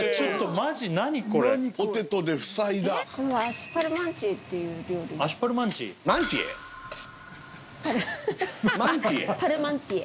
マンティエ？